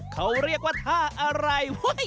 เขาเรียกว่าท่าอะไร